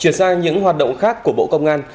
chuyển sang những hoạt động khác của bộ công an